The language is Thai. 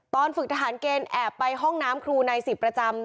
ตอนฝึกทหารเกณฑ์แอบไปห้องน้ำครูใน๑๐ประจำ